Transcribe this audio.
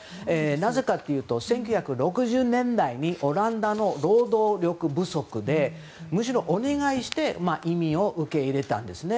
なぜかというと１９６０年代にオランダの労働力不足で、むしろお願いして移民を受け入れたんですね。